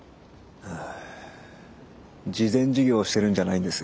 ああ慈善事業してるんじゃないんですよ。